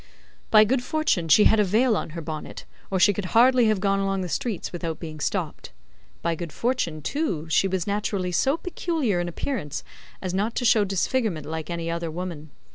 By good fortune she had a veil on her bonnet, or she could hardly have gone along the streets without being stopped. By good fortune, too, she was naturally so peculiar in appearance as not to show disfigurement like any other woman.